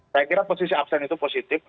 saya kira posisi absen itu positif